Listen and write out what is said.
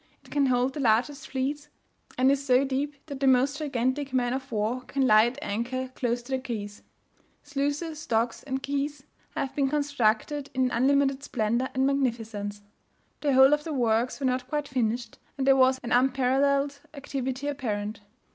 It can hold the largest fleets, and is so deep that the most gigantic men of war can lie at anchor close to the quays. Sluices, docks and quays have been constructed in unlimited splendour and magnificence. The whole of the works were not quite finished, and there was an unparalleled activity apparent.